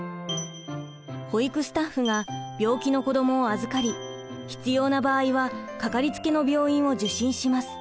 保育スタッフが病気の子どもを預かり必要な場合はかかりつけの病院を受診します。